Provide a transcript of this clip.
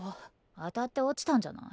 当たって落ちたんじゃない？